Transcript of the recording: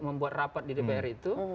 membuat rapat di dpr itu